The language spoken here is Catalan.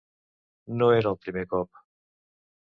No era el primer cop.